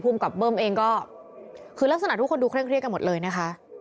กับเบิ้มเองก็คือลักษณะทุกคนดูเคร่งเครียดกันหมดเลยนะคะ